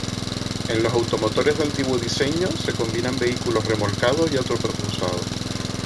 En los automotores de antiguo diseño, se combinan vehículos remolcados y autopropulsados.